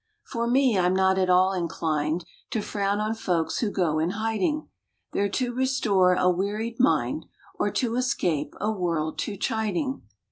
For me, I m not at all inclined To frown on folks who go in hiding, There to restore a wearied mind, Or to escape a world too chiding.